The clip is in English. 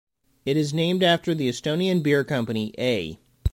It is named after the Estonian beer company A.